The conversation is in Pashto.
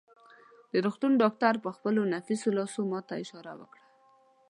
د روغتون ډاکټر په خپلو نفیسو لاسو ما ته اشاره وکړه.